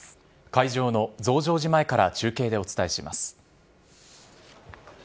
会場の増上寺前から中継でお伝えします。